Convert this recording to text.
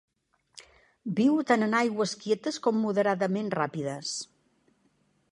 Viu tant en aigües quietes com moderadament ràpides.